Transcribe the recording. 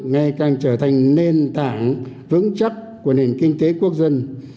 ngày càng trở thành nền tảng vững chắc của nền kinh tế quốc dân